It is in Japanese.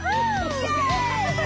イエイ！